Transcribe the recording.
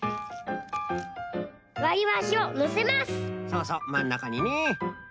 そうそうまんなかにね。